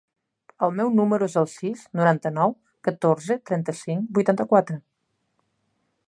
El meu número es el sis, noranta-nou, catorze, trenta-cinc, vuitanta-quatre.